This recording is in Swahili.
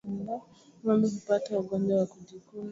Ngombe hupata ugonjwa wa kujikuna